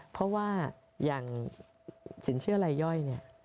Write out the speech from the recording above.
เพราะว่าอย่างสินเชื่อลายย่อยเนี่ย